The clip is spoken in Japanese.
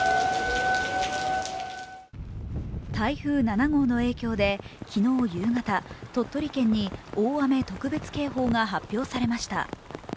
台風７号の影響で昨日夕方、鳥取県に大雨特別警報が発表されました。